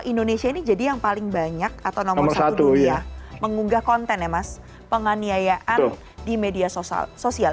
indonesia ini jadi yang paling banyak atau nomor satu dunia mengunggah konten ya mas penganiayaan di media sosial